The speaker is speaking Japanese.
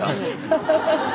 ハハハッ！